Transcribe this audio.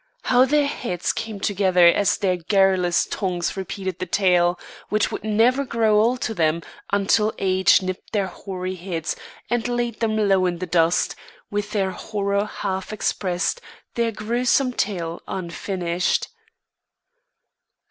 How their heads came together as their garrulous tongues repeated the tale, which would never grow old to them until age nipped their hoary heads and laid them low in the dust, with their horror half expressed, their gruesome tale unfinished.